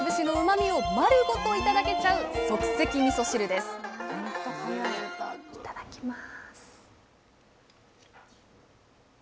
いただきます。